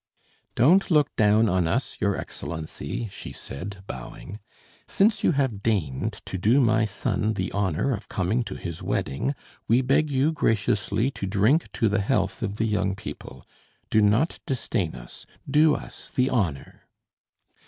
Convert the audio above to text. "Don't look down on us, your Excellency," she said, bowing. "Since you have deigned to do my son the honour of coming to his wedding, we beg you graciously to drink to the health of the young people. Do not disdain us; do us the honour."